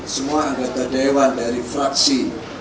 semua anggota dewan dari fraksi